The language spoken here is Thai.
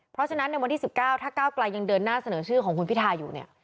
เพราะฉะนั้นในวันที่๑๙ถ้าก้าวกลายยังเดินหน้าเสนอชื่อของคุณพิทาอยู่เนี่ย